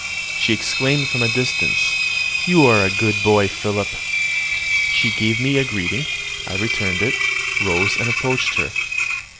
She exclaimed from a distance, "You are a good boy, Philip!" She gave me greeting: I returned it, rose, and approached her.